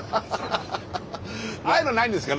ああいうのないんですか？